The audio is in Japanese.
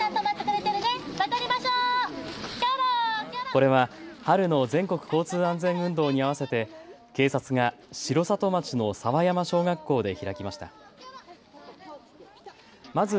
これは春の全国交通安全運動に合わせて警察が城里町の沢山小学校で開きました。